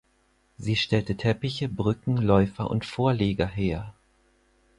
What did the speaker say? Sie stellte Teppiche, Brücken, Läufer und Vorleger her.